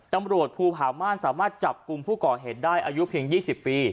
ตำรวจภูผ่าม่านสามารถจับกลุ่มผู้ก่อเหตุได้อายุเพียงยี่สิบปี